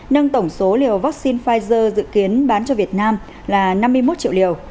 nâng tổng số liều vaccine pfizer dự kiến bán cho việt nam là năm mươi một triệu liều